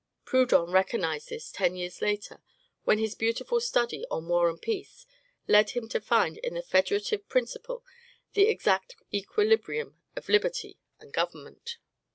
Proudhon recognized this ten years later, when his beautiful study on "War and Peace" led him to find in the FEDERATIVE PRINCIPLE the exact equilibrium of liberty and government.